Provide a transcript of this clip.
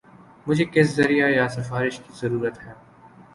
مجھے کس ذریعہ یا سفارش کی ضرورت ہے